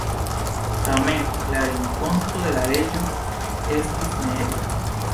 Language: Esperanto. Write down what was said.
Tamen, la renkonto de la reĝo estis neebla.